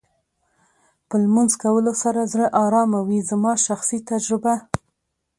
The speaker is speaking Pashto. په لمونځ کولو سره زړه ارامه وې زما شخصي تجربه